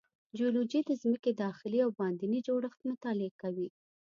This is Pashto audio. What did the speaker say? جیولوجی د ځمکې داخلي او باندینی جوړښت مطالعه کوي.